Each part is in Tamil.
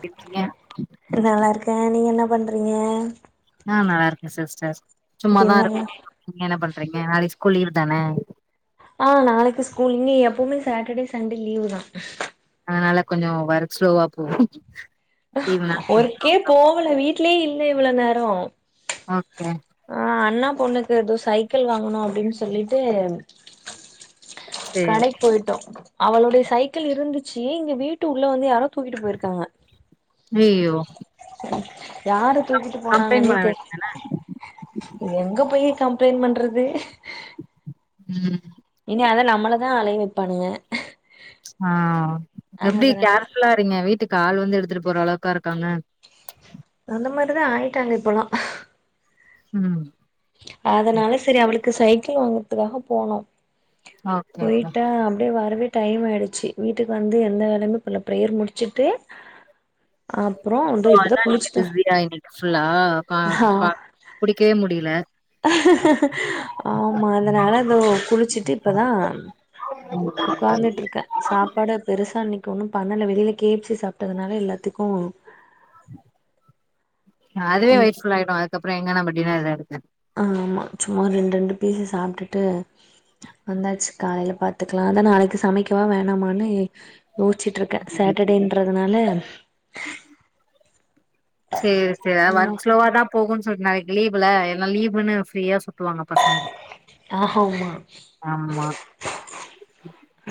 ப்டி இருக்கீங்க நல்லார்க்கே நீங்க என்ன பண்றீங்க ஆ நல்லாருக்கே சிஸ்டர் சும்மாதா டின்னர்லா இருக்கோ நீங்க என்ன பண்றீங்க நாளைக்கு ஸ்கூல் லீவ் தான ஆ நாளைக்கு ஸ்கூல் இன்னி எப்பவுமே சாட்டடே சண்டே லீவு தா அதுனால கொஞ்சோ ஒர்க் ஸ்லோவா போகு லீவு நாள் கொஞ்சோ ஒர்க்கே போவல வீட்லயே இல்ல இவ்ள நேரோ ஓகே ஆ அண்ணா பொண்ணுக்கு எதோ சைக்கிள் வாங்கணு அப்டின் சொல்லிட்டு சேரி கடைக் போயிட்டோ அவளோட சைக்கிள் இருந்துச்சி இங்க வீட்டு உள்ள வந்து யாரோ தூக்கிட்டு போயிர்க்காங்க ஐய்யோ யாரு தூக்கிட்டு கம்ப்ளைண்ட் போனாங்கனே பண்ண தெரி வேண்டியதான எங்க போயி கம்ப்ளைண்ட் பண்றது ம் இனி அத நம்மளதா அலைய வெப்பானுக ஆ எப்டி கேர்ஃபுல்லா இருங்க வீட்டுக்கு ஆள் வந்து எடுத்துட்டு போற அளவுக்கா இருக்காங்க அந்த மாரிதா ஆயிட்டாங்க இப்பல்லா ம் அதனால சேரி அவளுக்கு சைக்கிள் வாங்கற்த்துக்காஹ போனோ ஓகே ஓகே போய்ட்டா அப்டியே வரவே டைம் ஆய்டுச்சி வீட்டுக் வந்து எந்த வேலையுமே பண்ல ப்ரேயர் முடிச்சிட்டு அப்றோ ஓ‌ அதா நீங்க குளிச்சுட்டு பிஸியா இன்னைக் ஃபுல்லா கா ஆ க புடிக்கவே முடியில ஆமா அதனால அது ஓ குளிச்சிட்டு இப்பதா உக்காந்துட்ருக்கே சாப்பாடு பெருசா இன்னிக் ஒன்னு பண்ணல வெளில கே எப் சி சாப்ட்டதுனால எல்லாத்துக்கு அதுவே வயிர் ஃபுல் ஆயிடு அதுக்கப்பறோ எங்க நம்ம டின்னர் சாப்ட்றது ஆமா சும்மா ரெண்ட் ரெண்டு பீஸு சாப்ட்டுட்டு வந்தாச்சி காலைல பாத்துக்கலா அதா நாளைக்கு சமைக்கவா வேணாமானு யோஸ்ச்சிட்ருக்கே சாட்டடேன்றதுனால ம் சேர் அதுனால் ஒர்க் ஸ்லோவா தா போகுன் சொல்ட்டு நாளைக் லீவுல்ல ஏனா லீவுன்னு ஃப்ரீயா சுத்துவாங்க பசங்க ஆ ஹவ்மா ஆமா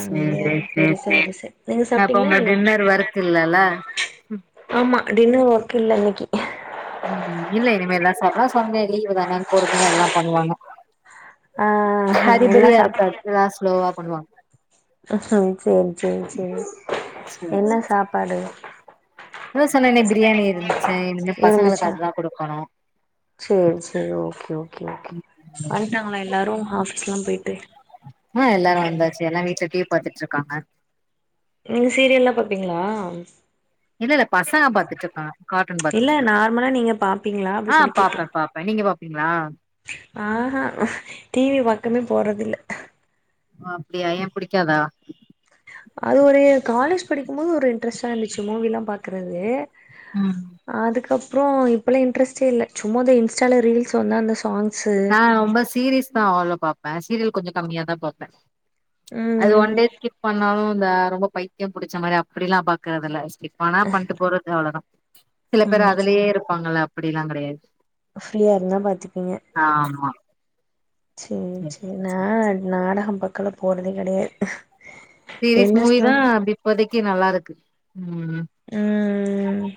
அதுனால சேரி சேரி பெருசா எது செய் நீங்க அப்ப சாப்ட்டீங்ளா உங்க டின்னர் ஒர்க் இல்லல்ல ஆமா டின்னர் ஒர்க் இல்ல இன்னிக்கி ம் இல்ல இனிமே தா சாப்பட்லா சண்டே லீவு தான பொறுமையா எல்லா பண்வாங்க ஆ என்ன ஹரிபரியா சாப் இருக்காது எல்லா ஸ்லோவா பண்வாங் சேரி சேரி சேரி என்ன சாப்பாடு இப்ப தா சொன்னனே பிரியாணி இருந் இனிமே பசங்களுக்கு இருந்துச்சா அதுதா குடுக்கணு சேரி சேரி ஓகே ஓகே ஓகே வந்ட்டாங்களா எல்லாரு ஆஃபிஸ்லா போய்ட்டு ஆ எல்லாரு வந்தாச்சு எல்லா வீட்ல டி வி பாத்துட்ருக்காங்க நீங்க சீரியல்லா பாப்பீங்களா இல்ல இல்ல பசங்க பாத்துட்ருக்காங்க கார்டூன் இல்ல பாத்துட்ருக்கா நார்மலா நீங்க பாப்பீங்களா அப்டி ஆ பாப்பே பாப்பே நீங்க பாப்பீங்ளா ஆ ஹா டி வி பக்கமே போறதில்ல ஓ அப்டியா ஏ புடிக்காதா அது ஒரு காலேஜ் படிக்கும் போது ஒரு இன்ட்ரெஸ்ட்டா இருந்துச்சு மூவிலா பாக்குறது ம் அதுக்கப்றோ இப்பலா இன்ட்ரெஸ்டே இல்ல சும்மா இந்த இன்ஸ்டால ரீல்ஸ் வந்தா அந்த சாங் நா ரொம்ப சீரிஸ் தா அவளோ பாப்பே சீரியல் கொஞ்ச கம்மியா தா பாப்பே அது ஒன் ம் டே ஸ்கிப் பண்ணாலு இந்த ரொம்ப பைத்தியம் புடிச்ச மாரி அப்டிலா பாக்குறதுல்ல ஸ்கிப்பானா பண்ட்டு போறது அவளதா சில பேர் ம் அதுலயே இருப்பாங்கல்ல அப்டிலா கெடையாது ஃப்ரீயா இருந்தா பாத்துப்பீங்க ஆமா சேரி சரி சேரி நா சரி. நாடகம் பா க்களா போறதே கெடையாது சீரிஸ் என்ன மூவி தா ஸ்டோரி அப்டி இப்போதைக்கு நல்லா இருக்கு ம் ம்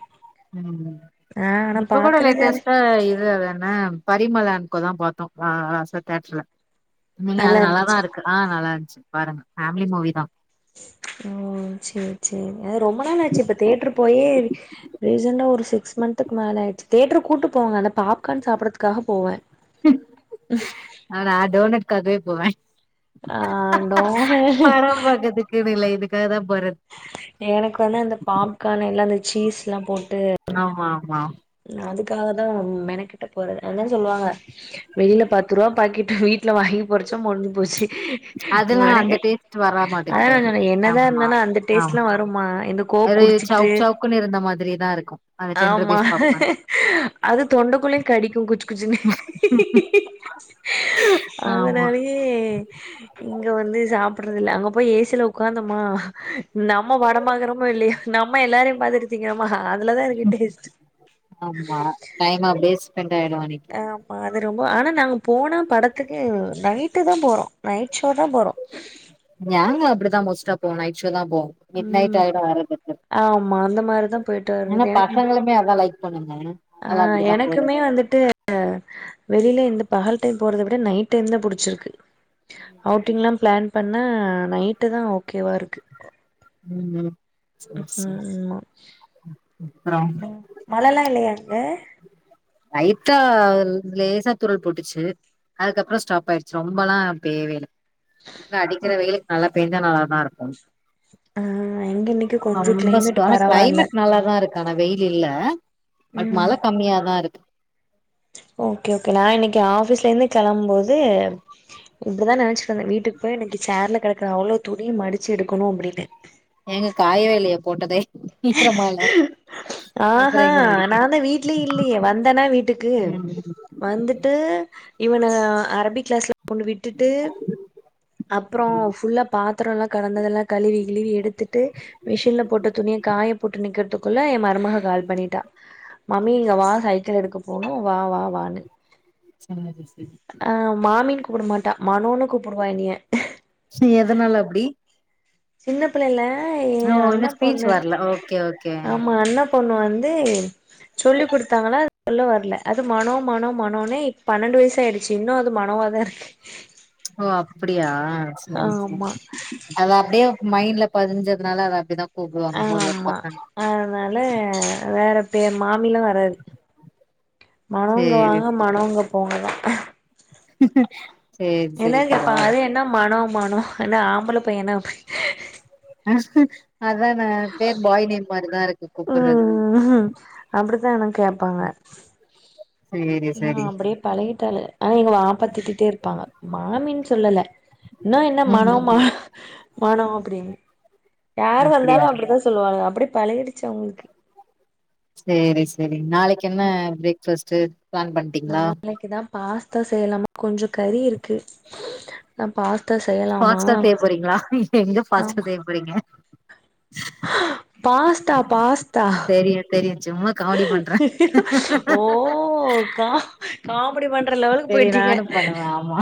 ம் ஆ ஆனா இப்ப கூட பாக்குறது அது லேட்டஸ்ட்டா இது அதென்ன பரிமலா அன் கோ தா பாத்தோ லாஸ்டா தேட்ருல நீங்க நல்லா அது நல்லாதா இருந்துச்சு இருக்கு ஆ நல்லாருந்ச்சு பாருங்க ஃபேம்லி மூவி தா ஓ சேரி சேரி அ ரொம்ப நாள் ஆச்சு இப்ப தேட்ரு போயே ரீசண்டா ஒரு சிக்ஸ் மந்த்துக்கு மேல ஆயிருச்சு தேட்ரு கூட்டு போவாங்க அந்த பாப்கார்ன் சாப்புறத்துக்காக போவே அ நா டோர்னட்க்காகவே போவே ஆ டோனு பட பக்கற்துக்குனு இல்ல இதுக்காக தா போறது எனக்கு வந்து அந்த பாப்கார்னுல அந்த சீஸ்லா போட் ஆமா ஆமா ம் அதுக்காக தா மெனக்கெட்டு போறது அதா சொல்லுவாங்க வெளில பத்து ரூவா பாக்கெட்டு வீட்ல வாங்கி பொரிச்ச முடிஞ்சு போச்சு இங்க அதெல்லா அந்த வாங்னாதே டேஸ்ட் வர அதா மாட்டேங்குதே நா சொன்னே என்னதா இருந்தாலு அந்த டேஸ்ட்லா வர் ருமா எந்த அது சவுக் சவுக்குன்னு இருந்த மாதிரிதா இருக்கு அந்த டென் ஆமா ருபீஸ் பாப்கான் அது தொண்டக்குள்ளயு கடிக்கு குச் குச்சுனு ஆமா ம் இங்க வந்து சாப்பிட்றது இல்ல அங்க போய் ஏ சி ல உக்காந்தமா நம்ம வடமாகுறமோ இல்லையோ நம்ம எல்லாரையு பாத்துட்டு திங்கிறமா அதுலதா இருக்கு டேஸ்ட்டு ஆமா டைம் அப்டியே ஸ்பெண்ட் ஆயிரு அன்னைக்கி ஆமா அது ரொம்ப ஆனா நாங்க போனா படத்துக்கு நைட்டு தா போறோ நைட் ஷோ தா போறோ நாங்களு அப்டிதா மோஸ்ட்டா போவோ நைட் ஷோ தா போவோ மிட் நைட் ம் ஆயிடு ஆமா அந்த மாரிதா போயிட்டு முன்ன வர்றது எனக்கு பசங்களுமே அதா லைக் பண்ணுங்க ஆ அதனால அப்டிதா போறது எனக்குமே வந்துட்டு அ வெளில இந்த பகல் டைம் போறத விட நைட் டைம் தா புடிச்சிருக்கு அவுட்டிங்லா பிளான் பண்ணா நைட்டு தா ஓகேவா இருக்கு ம் ம் சேரி சேரி ம்மா அப்புறோ ம் மழல்லா இல்லையா அங்க லைட்டா லேசா தூரள் போட்டுச்சு அதுக்கப்புறோ ஸ்டாப் ஆயிடுச்சு ரொம்பல்லா பேய்யவில்ல இங்க அடிக்கிற வெயிலுக்கு நல்லா பெய்ந்தா நல்லா தா இருக்கு ஆ இங்க இன்னைக்கு அ கொஞ்சோ ரொம்ப கிளைமேட் [unintelligible] பரவால்ல கிளைமேட் நல்லாதா இருக் கான வெயில் இல்ல பட் மழ ம் கம்மியா தா இருக்கு ஓகே ஓகே நா இன்னைக்கு ஆஃபீஸ்ல இருந்து கெளம் போது இப்படிதா நெனைச்சுட்டுந்த வீட்டுக்கு போய் இனைக்கு சேர்ல கெடக்கற அவ்ளோ துணி மடிச்சு எடுணு அப்டின்னு எங்க காயவே இல்லையே போட்டதே ஈரமால அப்புற ஆஹா எங்க மடிக்க நா தா வீட்லயே இல்லையே வந்தனா வீட்டுக்கு ம் வந்துட்டு இவன அரபிக் கிளாஸ்ல கொண்டு விட்டுட்டு அப்புறோ ஃபுல்லா பாத்தரோல்லா கடந்ததெல்லா கழுவி கிழுவி எடுத்துட்டு மிஷின்ல போட்ட துணிய துனிக்கறதுக்குள்ள எ மருமக கால் பண்ணிட்டா மாமி இங்க வா சைக்கிள் எடுக்க போனு வா வா வானு சரி அ மாமி கூப்பட மாட்டா மனோன்னு கூப்புடுவா என்னைய சி எதனால அப்டி சின்ன பிள்ளைல ஏ ஓ இன்னு அண்ணா ஸ்பீச் பொண்ணு வரல ஓகே ஓகே ஆமா அண்ணா பொண்ணு வந்து சொல்லி் கொடுத்தாங்களா அது சொல்ல வரல அது மனோ மனோ மனோனே இ பன்னெண்டு வயசு ஆயிடுச்சு இன்னு அது மனோவா தா இருக்கு [inaudible] ஓ அப்படியா சேரி ஆமா சேரி அது அப்டே மைண்ட்ல பதிஞ்சதுனால அவ அப்டிதா கூப்டுவா ஒரு ஒரு ஆமா பர்சன் அதனால வேற பேர் மாமில்லா வராது மனோ இங்க சேரி வாங்க மனோ அங்க போங்கதா [inaudible] சரி எல்லாரு கேப்பாங்க பரவால்ல அது என்ன மன மனோ என்ன ஆம்பள பையனா அப்டின்னு அதா நா பேர் பாய் நேம் மாரி தா இருக்கு கூப்புட்றது ம் அப்படித்தான்னா கேப்பாங்க சேரி நா சரி அப்படியே பழகிட்டால ஆனா எங்க வாப்பா திட்டிட்டே இருப்பாங்க மாமின்னு சொல்லல இன்னு என்ன மனோ ம ம் மனோ அப்டின்னு யார் அப்டியா வந்தாலு அப்டித்தா சொல்லுவாங்க அப்படே பழகிடுச்சு அவுங்களுக்கு சேரி சேரி நாளைக்கு என்ன பிரேக்ஃபாஸ்ட்டு பிளான் பண் நாளைக்குதா பாஸ்தா செய்யலாமா கொஞ்சோ கறி இருக்கு அதா பாஸ்தா செய்ய ஃபாஸ்ட்டா செய்ய போறீங்களா எங்க ஃபாஸ்ட்டா செய்ய போறீங்க ஹ பாஸ்தா பாஸ்தா தெரியு தெரியு சும்மா காமெடி பண்றே ஓ கா காமெடி பண்ற லெவலுக்கு தெரியு போயிட்டங்க நானு பண்ணுவே ஆமா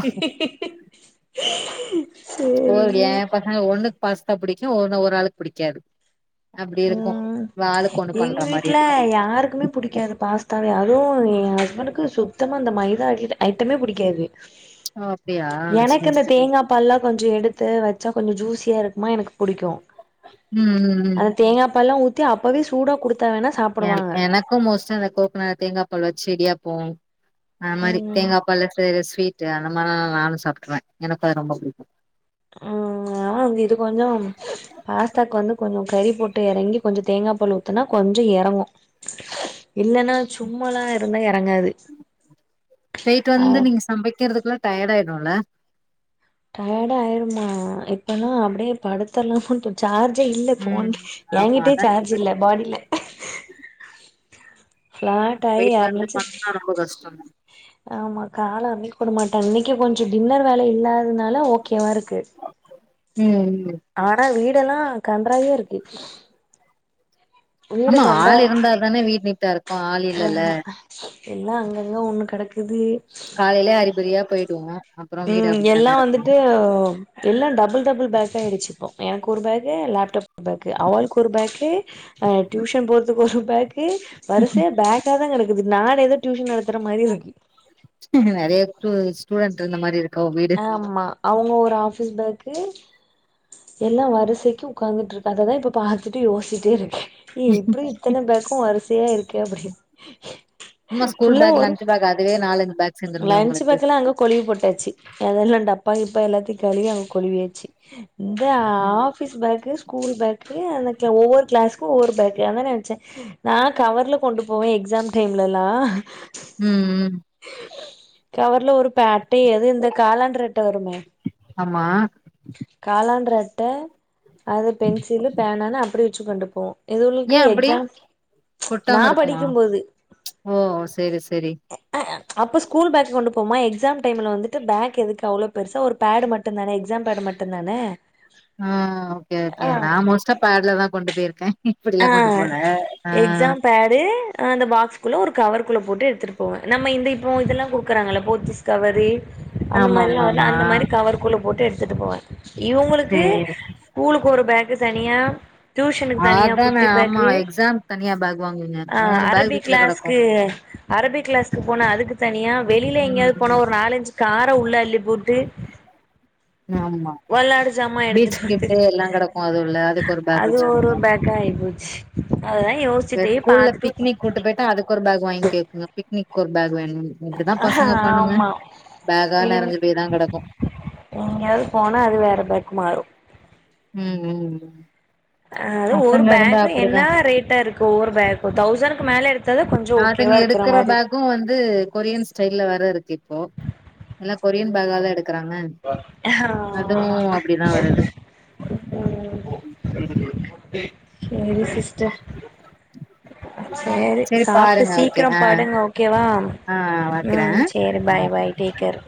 [inaudible] ஓ எ சேரி பசங்க ஒண்ணுக்கு பாஸ்தா புடிக்கு ஒண்ணு ஒரு ஆளுக்கு புடிக்காது அப்டி இருக்கு ம் ஆளுக்கு ஒண்ணு எங்க பண்ற மாரி வீட்டுல இருக்கு யாருக்குமே புடிக்காது பாஸ்தாவே அதுவு எ ஹஸ்பண்டுக்கு சுத்தமா அது மைதா ஐட்டமே பிடிக்காது ஒ அப்டியா சேரி சேரி பல்லா கொஞ்சோ எடுத்து வச்சா கொஞ்ச ஜூஸியா இருக்குமா எனக்கு புடிக்கு ம் ம் ம் அந்த தேங்கா பால்லா ஊத்தி அப்பவே சூடா குடு என் எனக்கு மோஸ்ட்டா இந்த கோக்குன தேங்கா பால் வச்சு இடியாப்போ அது மாரி ம் தேங்காபால்ல செய்ற ஸ்வீட்டு அந்த மார்ல்லால்லா நானு சாப்ட்ருவே எனக்கு அது ரொம்ப புடிக்கு ம் ஆனா வந்து இது கொஞ்சம் பாஸ்தாக்கு வந்து கொஞ்சோ கறி போட்டு எறங்கி கொஞ்சோ தேங்கா பால் ஊத்துனா கொஞ்சோ எறங்கு இல்லன்னா சும்மல்லா இருந்தா எறங்காது போய்ட்டு ஆ வந்து நீங்க சமைக்கிறதுக்ல்லா டயர்டாயிருல டயர்டாயிருமா இப்பல்லா அப்டியே படுத்தர்லாமோன்ட்டு சார்ஜே இல்ல ஃபோன் ம் ஆமா எகிட்டே அதா சார்ஜ் இல்ல பாடில ஃப்ளாட் ஆயி போய்ட்டு வந்து யாருனாச்சு பண்ணா ரொம்ப கஷ்டோங்க ஆமா கால அமிக் வுட மாட்டாங்க இன்னக்கே கொஞ்சோ டின்னர் வேல இல்லாதனால ஓகேவாருக்கு ம் ம் ஆனா வீடெல்லா கன்றாவியாருக்கு ஆமா ஆள் இருந்தா தானே வீடு நீட்டாரு ஆ ஹா எல்லா அங்கங்க ஒண்ணு கடக்குது காலைலே அறிபறியா போய்டுவோ ம் எல்லா வந்துட்டு எல்லா டபுள் டபுள் பேக்காயிடிச்சி இப்போ எனக்கு ஒரு பேகு எ லேப்டாப் பேகு அவளுக்கு ஒரு பேகு ஆ டியூஷன் போறதுக்கு ஒரு பேக் கு வரிசயா பேக்கா தா கடக்குது நான் எதோ டியூஷன் நடத்துற மாரி இருக்கு இங்க நறைய டூ ஸ்டூடண்ட் இருந்த மாரி இருக்கா உ வீடு ஆ ஆமா அவங்க ஒரு ஆஃபீஸ் பேக்கு எல்லா வரிசைக்கு உக்காந்துட்ருக்கு அததா இப்ப பாத்துட்டு யோச்சிட்டே இருக்கே ஏ இப்டி இத்தன பேக்கு வரிசையா இருக்கே அப்டி ம்மா ஸ்கூல் பேக் லன்ச்சு பேக் அதுவே நாலஞ்சு பேக் சேந்துருமே லன்ச்சு உங்களுக்கு பேக்லா ல்லா அங்க கொழிவு போட்டாச்சு அதல்லா டப்பா கிப்பா எல்லாத்தையு கழுவி அங்க கொழவியாச்சு இந்த உம் ஆஃபிஸ் பேக்கு ஸ்கூல் பேக்கு அந்த க்ளா ஒவ்வொரு க்ளாஸ்க்கு ஒவ்வொரு பேக்கு அதா நெனச்சே நா கவர்ல கொண்டு போவே எக்ஸாம் டைம்லல்லா ம் ம் கவர்ல ஒரு பே ‌அட்ட எது இந்த காலாண்ட்ரு அட்ட வருமே ஆமா காலண்ட்ரு அட்ட அது பென்சிலு பேனானு அப்டி வச்சு கொண்டு போவோ ஏ இதுகளுக்கு அப்டி எக்ஸாம் நா கொட்டாம இருக்குமா படிக்கும்போது ஓ சேரி சேரி அப்போ ஸ்கூல் பேக் கொண்டு போமா எக்ஸாம் டைம்ல வந்துட்டு பேக் எதுக்கு அவ்ளோ பெருசா ஒரு பேடு மட் டுதானே எக்ஸாம் பேட் மட்டுதானே ஆ ஓகே ஓகே நா மோஸ்ட்டா பேட்ல தா கொண்டு போய்ருக்கே ஆ எக்ஸாம் பேடு ஆ அந்த பாக்ஸ்குள்ள ஒரு கவர்ருக்குள்ள போட்டு எடுத்துட்டு போவே நம்ம இந்த இப்போ இதெல்லா குடுக்குறாங்கள போத்திஸ் கவரு அந்த ஆமா மாரில்லா ஆமா வருல ஆமா அந்த மாரி கவர்க்குள்ள போட்டு எடுத்துட்டு போவே இவுங்களுக்கு சேரி ஸ்கூலுக்கு ஒரு பேக்கு தனியா டியூஷனுக்கு தனியா ஆ குட்டி ஆமா பேக்கு எக்ஸாம்க் தனியா பேக் வாங்குங்க மூணு பேக் வீட்ல கெடக்கு அ அரபி கிளாஸ்க்கு போனா அதுக்கு தனியா வெளில எங்கயாவது போனா ம் ஒரு நாலஞ்சு கார உள்ள அள்ளி போட்டு ஆமா வெளாட்டு ஜாமா பீச் எடுத்துட்டு கிட்டு வரதுக்கு எல்லா கெடக்கு அது உள்ள அதுக்கு ஒரு பேக் வச்சுக்குவாங்க [unintelligible] போச்சு அதலா யோசு இந்த ஸ்கூல்ல பிக்னிக் கூட்டு போயிட்டா அதுக்கு ஒரு பேக் வாங்கி கேக்குங்க பிக்னிக்கு ஒரு பேக் வேணுனு இப்டிதா பசங்க பண்ணுங்க ஆமா பேகா இனிமே நெறஞ்சு போய் தா கெடக்கு எங்கயாவது போனா அது வேற பேக் மாறு ம் ம் ம் அ அது ஒரு பசங்க இருந்தா பேக்கு அப்டிதா என்னா ரேட்டா இருக்கு ஒவ்வொரு பேக்கு தௌசனுக்கு மேல இரு எடுத்தாதா கொஞ்சோ ஓகேவா இருக்கற மாரி இருக்கு து வந்து கொரியன் ஸ்டைல வேர இருக்கு இப்போ எல்லா கொரியன் பேகா தா எடுக்குறாங்க ஆமா வருது ம் சேரி சிஸ்டர் சேரி சரி சாப்ட்டு பாருங்க ஓகே சீக்ரோ ஆ படுங்க ஓகேவா ஆ வைக்கிறே ம் சேரி ஆ பாய் பாய் டேக் கேர்